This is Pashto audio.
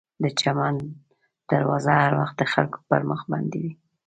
د چمن دروازه هر وخت د خلکو پر مخ بنده وي.